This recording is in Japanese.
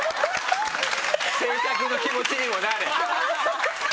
制作の気持ちにもなれ！